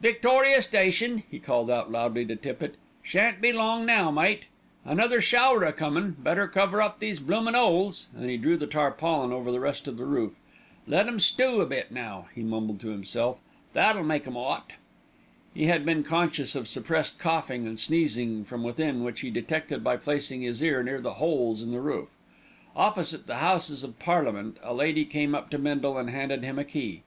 "Victoria Station," he called out loudly to Tippitt. "Shan't be long now, mate. Another shower a comin', better cover up these bloomin' 'oles," and he drew the tarpaulin over the rest of the roof. "Let 'em stoo a bit now," he muttered to himself. "That'll make 'em 'ot." He had been conscious of suppressed coughing and sneezing from within, which he detected by placing his ear near the holes in the roof. Opposite the Houses of Parliament, a lady came up to Bindle and handed him a key.